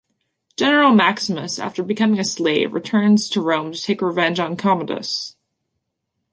General Maximus, after becoming a slave, returns to Rome to take revenge on Commodus.